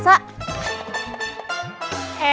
tidak ada apa apa